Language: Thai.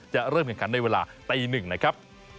เริ่มแข่งขันในเวลาตี๑นะครับ